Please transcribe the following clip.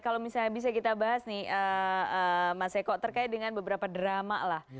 kalau misalnya bisa kita bahas nih mas eko terkait dengan beberapa drama lah